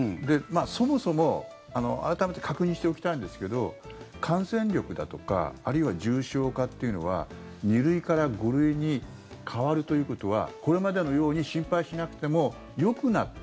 そもそも改めて確認しておきたいんですけど感染力だとかあるいは重症化っていうのは２類から５類に変わるということはこれまでのように心配しなくてもよくなった。